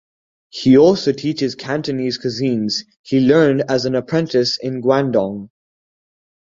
He also teaches Cantonese cuisines he learned as an apprentice in Guangdong.